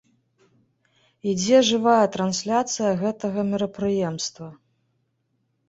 Ідзе жывая трансляцыя гэтага мерапрыемства.